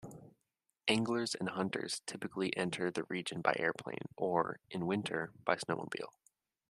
Anglers and hunters typically enter the region by airplane or, in winter, by snowmobile.